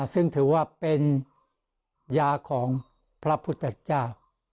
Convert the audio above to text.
ซึ่งถือว่าเป็นยาของพระพุทธเจ้า